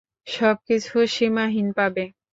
সবকিছু সীমাহীন পাবে।